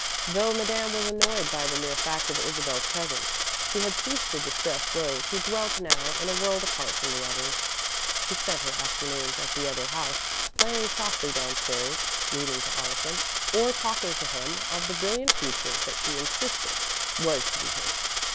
Though Madame was annoyed by the mere fact of Isabel's presence, she had ceased to distress Rose, who dwelt now in a world apart from the others. She spent her afternoons at the other house, playing softly downstairs, reading to Allison, or talking to him of the brilliant future that she insisted was to be his.